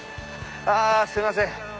あすいません！